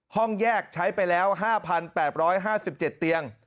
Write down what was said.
ห้องแยกใช้ไปแล้ว๕๘๕๗เตียง